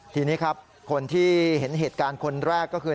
ทีนี้ครับคนที่เห็นเหตุการณ์คนแรกก็คือ